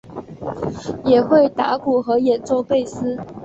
也会打鼓和演奏贝斯。